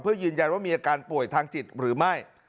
เพื่อยืนยันว่ามีอาการป่วยทางจิตหรือไม่